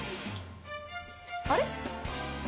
あれ？